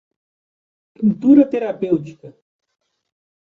Pintura terapêutica